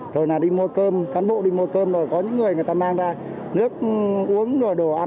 rồi là đi mua cơm cán bộ đi mua cơm rồi có những người người ta mang ra nước uống rồi đồ ăn